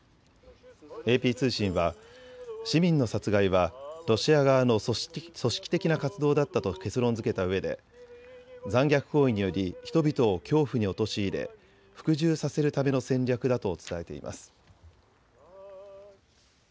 ＡＰ通信は市民の殺害はロシア側の組織的な活動だったと結論づけたうえで残虐行為により人々を恐怖に陥れ服従させるための戦略だと伝えています。